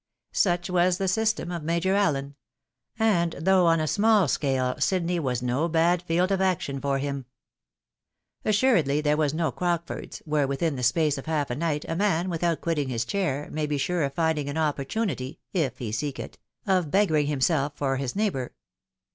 Such was the system of Major Allen ; and, though on a small scale, Sydney was no bad field of action for him. As suredly there was no Crockford's, where, within the space of half a night, a man, without quitting his chair, may be sure of finding an opportunity, if he seek it, of beggaring himself or his neighbour.